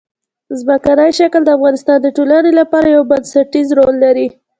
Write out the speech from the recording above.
ځمکنی شکل د افغانستان د ټولنې لپاره یو بنسټيز رول لري.